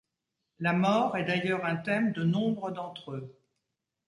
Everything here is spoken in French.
La mort est d'ailleurs un thème de nombre d'entre eux.